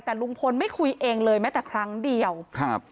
แต่ลุงพลไม่คุยเองเลยแม้แต่ครั้งเดียวครับ